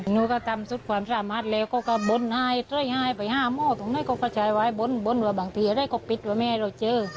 หนูก็ทำสุดความสามารถแล้วก็บ้นห้ายไปห้าม่อตรงนั้นก็กระชายไว้บ้นบ้นหรือบางทีก็ปิดไว้ไม่ให้เราเจอ